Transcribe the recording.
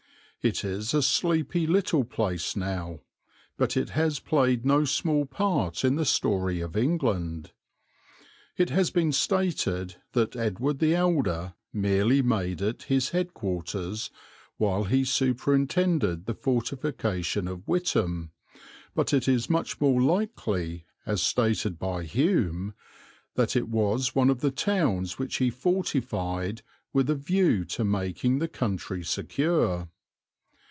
It is a sleepy little place now, but it has played no small part in the story of England. It has been stated that Edward the Elder merely made it his head quarters while he superintended the fortification of Witham, but it is much more likely, as stated by Hume, that it was one of the towns which he fortified with a view to making the country secure.